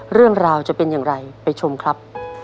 เรื่องราวจะเป็นอย่างไรไปชมครับ